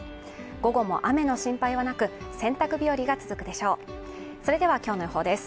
午後も雨の心配はなく洗濯日和が続くでしょうそれでは今日の予報です